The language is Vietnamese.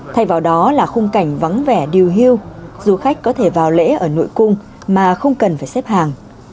thay vào đó là khung cảnh vắng vẻ điều hưu du khách có thể vào lễ ở nội cung mà không cần phải xếp hàng